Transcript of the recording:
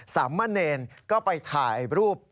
สามมะเนรก็ไปถ่ายรูป